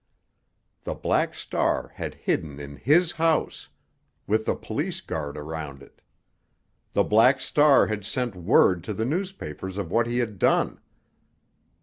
The Black Star had hidden in his house, with the police guard around it! The Black Star had sent word to the newspapers of what he had done.